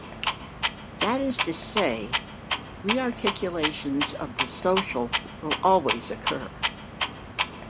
That is to say: re-articulations of the social will always occur.